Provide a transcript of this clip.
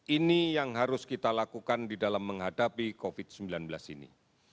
ini yang harus kita lakukan di dalam menghadapi covid sembilan belas ini